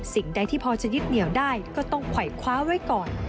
สิ่งใดที่พอจะยึดเหนียวได้ก็ต้องไขว่คว้าไว้ก่อน